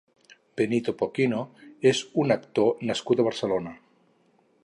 Benito Pocino és un actor nascut a Barcelona.